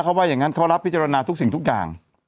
เขาว่าอย่างนั้นเขารับพิจารณาทุกสิ่งทุกอย่าง